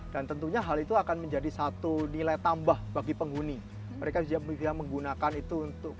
dan tentunya hal itu akan menjadi satu nilai tambah bagi penghuni mereka bisa menggunakan itu untuk